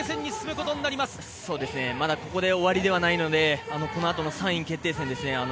ここでまだ終わりではないのでこのあとの３位決定戦ですね。